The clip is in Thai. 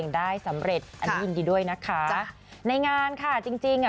ได้สำเร็จอันนี้ยินดีด้วยนะคะจ้ะในงานค่ะจริงจริงอ่ะ